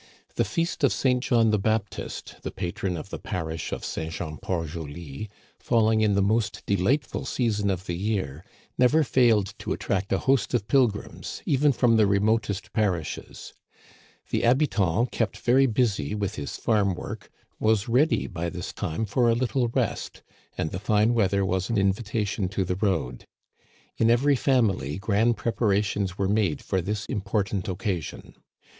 The feast of St. John the Baptist, the patron of the parish of St. Jean Port Joli, falling in the most delightful season of the year, never failed to at tract a host of pilgrims, even from the remotest par ishes. The habitant, kept very busy with his farm work, was ready by this time for a little rest, and the fine weather was an invitation to the road. In every family grand preparations were made for this important occasion.